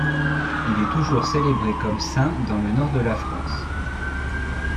Il est toujours célébré comme saint dans le Nord de la France.